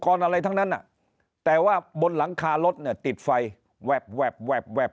อะไรทั้งนั้นแต่ว่าบนหลังคารถเนี่ยติดไฟแวบแวบ